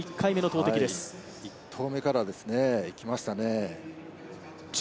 １投目からいきましたね。